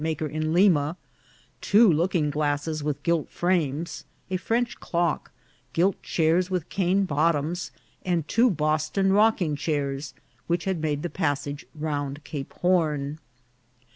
31 net maker in Lima, two looking glasses with gilt frames, a French clock, gilt chairs with cane bottoms, and two Boston rocking chairs, which had made the passage round Cape Horn.